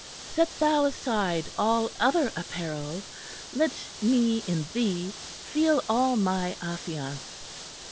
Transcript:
Set thou aside all other apparail; Let me in thee feel all my affiance.